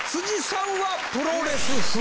さんはプロレス風。